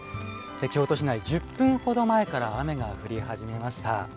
京都市内１０分ほど前から雨が降り始めました。